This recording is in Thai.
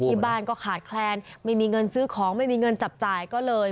ที่บ้านก็ขาดแคลนไม่มีเงินซื้อของไม่มีเงินจับจ่ายก็เลย